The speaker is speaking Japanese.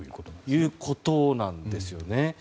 ということなんですよね。